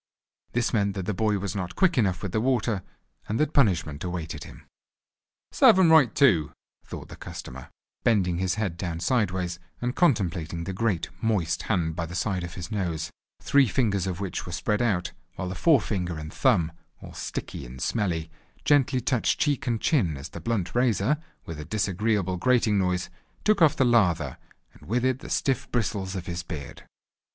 This meant that the boy was not quick enough with the water, and that punishment awaited him. "Serve "m right too," thought the customer, bending his head down sideways, and contemplating the great moist hand by the side of his nose, three fingers of which were spread out, while the fore finger and thumb, all sticky and smelly, gently touched cheek and chin as the blunt razor, with a disagreeable grating noise, took off the lather, and with it the stiff bristles of his beard.